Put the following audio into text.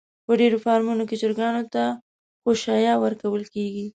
په ډېرو فارمونو کې چرگانو ته خؤشايه ورکول کېږي.